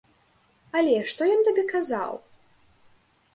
Але, што ён табе казаў?